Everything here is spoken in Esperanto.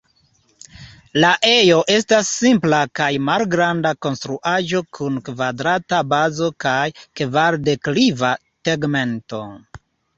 La ejo estas simpla kaj malgranda konstruaĵo kun kvadrata bazo kaj kvar-dekliva tegmento.